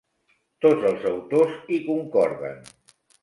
Tots els autors hi concorden.